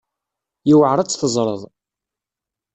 Yewεer ad tt-teẓreḍ.